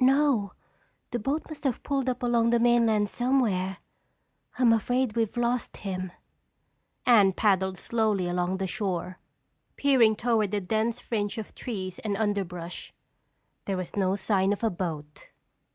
"No, the boat must have pulled up along the mainland somewhere. I'm afraid we've lost him." Anne paddled slowly along the shore, peering toward the dense fringe of trees and underbrush. There was no sign of a boat.